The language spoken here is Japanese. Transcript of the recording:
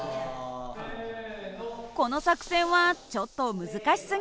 この作戦はちょっと難しすぎたみたい。